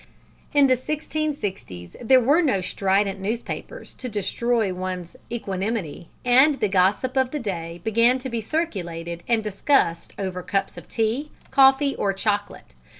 In the sixteen sixties there were no strident newspapers to destroy one's equanimity, and the gossip of the day began to be circulated and discussed over cups of tea, coffee, or chocolate.